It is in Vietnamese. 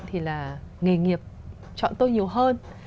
thì là nghề nghiệp chọn tôi nhiều hơn